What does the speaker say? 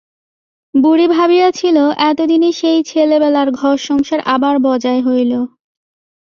বুড়ি ভাবিয়াছিল এতদিনে সেই ছেলেবেলার ঘর-সংসার আবার বজায় হইল।